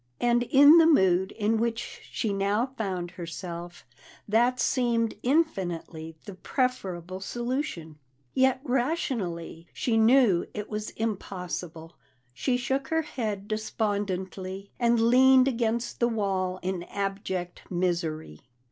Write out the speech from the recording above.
And in the mood in which she now found herself, that seemed infinitely the preferable solution. Yet rationally she knew it was impossible; she shook her head despondently, and leaned against the wall in abject misery.